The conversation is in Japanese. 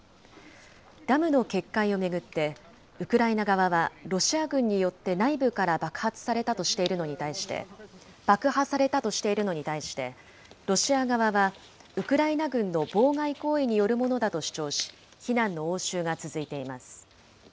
ダムの決壊を巡って、ウクライナ側はロシア軍によって内部から爆破されたとしているのに対して、ロシア側は、ウクライナ軍の妨害行為によるものだと主張し、非難の応酬が続いています。